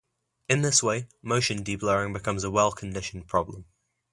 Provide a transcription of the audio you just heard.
In this way motion deblurring becomes a well-conditioned problem.